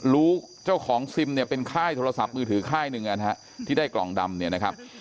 รู้เจ้าของซิมเป็นค่ายโทรศัพท์มือถือค่ายหนึ่งที่ได้กล่องดำ